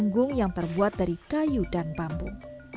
panggung yang terbuat dari kayu dan bambu